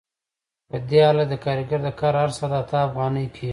په دې حالت کې د کارګر د کار هر ساعت اته افغانۍ کېږي